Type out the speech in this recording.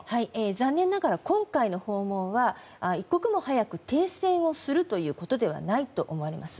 残念ながら、今回の訪問は一刻も早く停戦をするということではないと思われます。